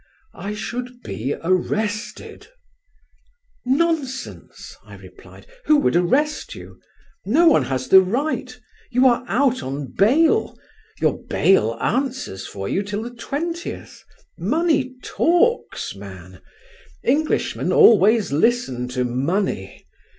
"I should be arrested." "Nonsense," I replied, "who would arrest you? No one has the right. You are out on bail: your bail answers for you till the 20th. Money talks, man; Englishmen always listen to money.